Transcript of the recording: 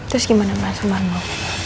terus gimana sama semarno